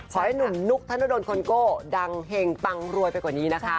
ให้หนุ่มนุ๊กธนดลคอนโก้ดังเห็งปังรวยไปกว่านี้นะคะ